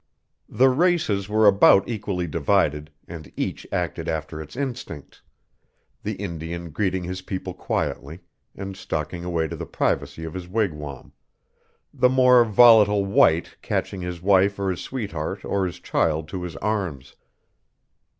The races were about equally divided, and each acted after its instincts the Indian greeting his people quietly, and stalking away to the privacy of his wigwam; the more volatile white catching his wife or his sweetheart or his child to his arms.